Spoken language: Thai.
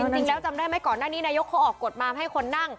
จำได้ไหมก่อนหน้านี้นายกเขาออกกฎมาให้คนนั่ง